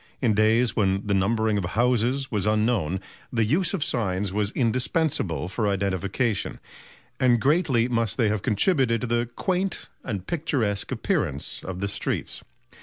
In days when the numbering of houses was unknown, the use of signs was indispensable for identification; and greatly must they have contributed to the quaint and picturesque appearance of the streets.